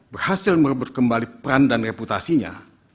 berhasil merebut kembali peran dan reputasinya